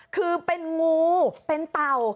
คือเป็นงูเป็นเต่า